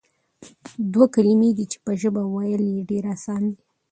دوه کلمې دي چې په ژبه ويل ئي ډېر آسان دي،